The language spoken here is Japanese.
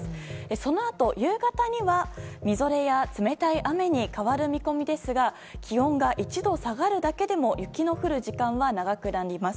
そのあと夕方にはみぞれや冷たい雨に変わる見込みですが気温が１度下がるだけでも雪の降る時間は長くなります。